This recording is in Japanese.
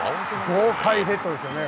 豪快ヘッドですよね。